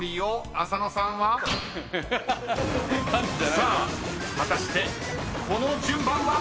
［さあ果たしてこの順番は⁉］